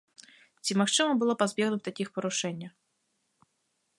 Ці магчыма было пазбегнуць такіх парушэння?